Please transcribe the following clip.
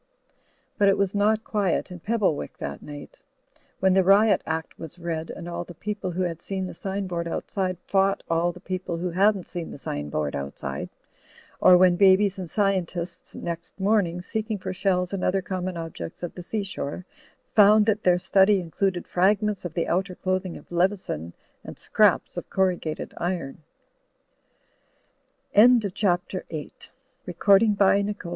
But it was not quiet in Pebblewick that night; when the Riot Act was read, and all the people who had seen the sign board outside fought all the people who hadn't seen the sign board outside; or when babies and scientists next morning, seeking for shells and other common objects of the sea shore, found that their study included fragments of the outer clothing of Leveson and scraps of corrugat